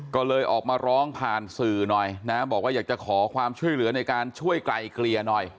ก็เลยออกมาร้องผ่านสื่อหน่อยนะบอกว่าอยากจะขอความช่วยเหลือในการช่วยไกลเกลี่ยหน่อย